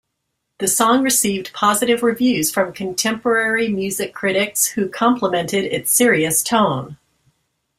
The song received positive reviews from contemporary music critics, who complimented its serious tone.